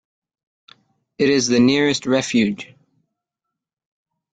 It is the nearest refuge.